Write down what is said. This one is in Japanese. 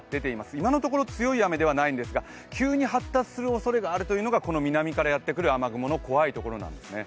今のところ強い雨ではないんですが急に発達するおそれがあるというのがこの南からやってくる雨雲の怖いところなんですね。